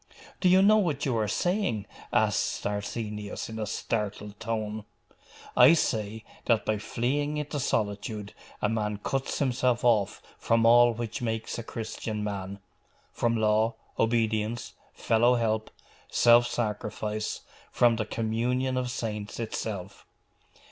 'Do you know what you are saying?' asked Arsenius in a startled tone. 'I say, that by fleeing into solitude a man cuts himself off from all which makes a Christian man; from law, obedience, fellow help, self sacrifice from the communion of saints itself.